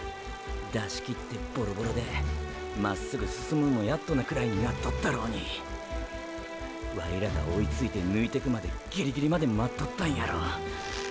出しきってボロボロでまっすぐ進むのもやっとなくらいになっとったろうにワイらが追いついて抜いてくまでギリギリまで待っとったんやろ。